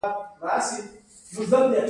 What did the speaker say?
د یورانیم نیوکلیري انرژي تولیدوي.